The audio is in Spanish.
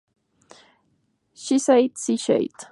She Said She Said